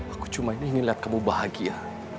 aku cuma ini lihat kamu bahagia